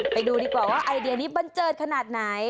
ไปดูดีกว่าว่าไอเดียนี้บันเจิดขนาดไหน